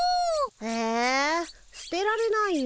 えすてられないよ。